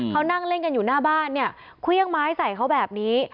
เขานั่งเล่นกันอยู่หน้าบ้านเนี่ยเครื่องไม้ใส่เขาแบบนี้